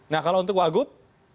nah kalau untuk wagub